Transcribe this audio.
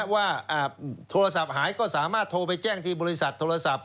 ว่าโทรศัพท์หายก็สามารถโทรไปแจ้งที่บริษัทโทรศัพท์